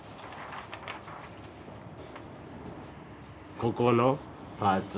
ここのパーツ。